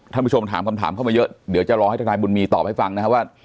ท่านผู้ชมถามคำถามเข้ามาเยอะเดี๋ยวจะรอให้ทนายบุญมีตอบให้ฟังนะครับว่า